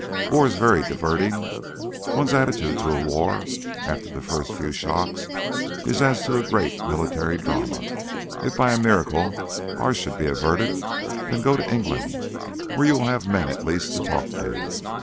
War is very diverting. One's attitude to a war after the first few shocks is as to a great military drama. If by a miracle ours should be averted, then go to England, where you will have men at least to talk to.